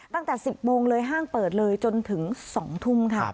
ตั้งแต่๑๐โมงเลยห้างเปิดเลยจนถึง๒ทุ่มค่ะ